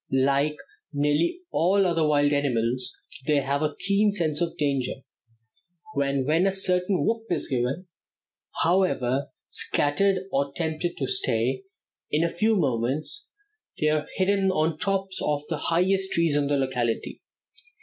Like nearly all other wild animals, they have a keen sense of danger, and when a certain whoop is given, however scattered or tempted to stay, in a few moments they are hidden on the tops of the highest trees in the locality.